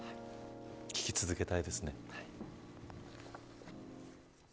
聞き続けたいですね。